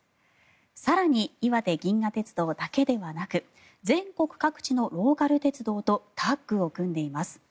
更にいわて銀河鉄道だけではなく全国各地のローカル鉄道とタッグを組んでいます。